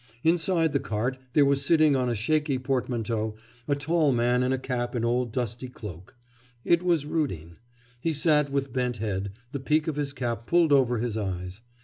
Inside the cart there was sitting on a shaky portmanteau a tall man in a cap and old dusty cloak. It was Rudin. He sat with bent head, the peak of his cap pulled over his eyes.